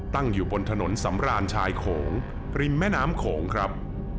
ตั้งอยู่บนถนนสำราญชายโขงริมแม่น้ำโขงครับ